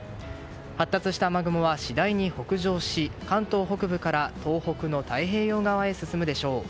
発達した雨雲は次第に北上し関東北部から東北の太平洋側へ進むでしょう。